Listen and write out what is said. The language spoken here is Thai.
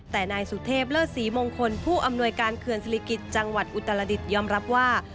แต่นายสุเทพเลิศศรีมงคลผู้อำนวยการเขื่อนศิริกิจจังหวัดอุตรดิษฐยอมรับว่า